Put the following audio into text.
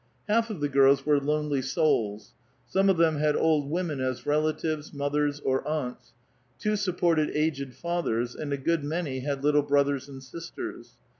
Half of the girls were^onely souls. Some of them had old ivomen as relatives, mothers, or aunts ; two supported aged fathers, and a good many had little brothers and sistei's.